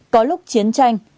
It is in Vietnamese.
có lúc chiến tranh